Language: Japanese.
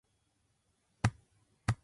消しゴム取って